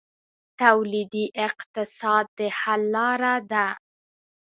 تولیدي اقتصاد د حل لاره ده